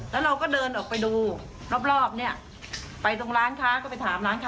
แล้วเราก็เดินออกไปดูรอบรอบเนี่ยไปตรงร้านค้าก็ไปถามร้านค้า